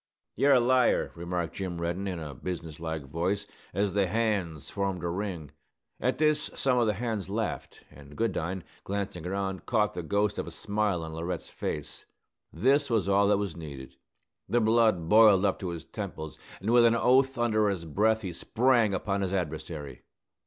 "You're a liar!" remarked Jim Reddin, in a business like voice, as the hands formed a ring. At this some of the hands laughed, and Goodine, glancing around, caught the ghost of a smile on Laurette's face. This was all that was needed. The blood boiled up to his temples, and with an oath under his breath he sprang upon his adversary.